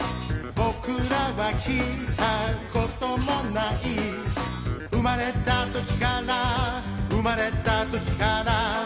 「ぼくらはきいたこともない」「うまれたときからうまれたときから」